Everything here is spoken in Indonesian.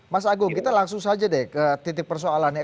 mas agung kita langsung saja deh ke titik persoalannya